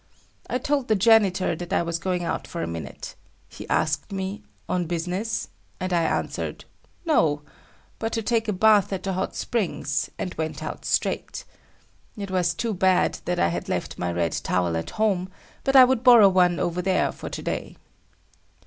I told the janitor that I was going out for a minute. He asked me "on business?" and I answered "No," but to take a bath at the hot springs, and went out straight. It was too bad that I had left my red towel at home, but I would borrow one over there for to day.